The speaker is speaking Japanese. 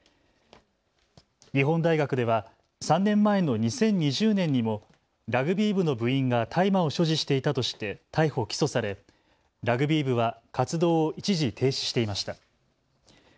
日本大学では３年前の２０２０年にもラグビー部の部員が大麻を所持していたとして逮捕・起訴されラグビー部は活動を一時停止していました。